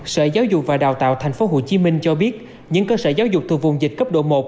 sở giáo dục và đào tạo tp hcm cho biết những cơ sở giáo dục từ vùng dịch cấp độ một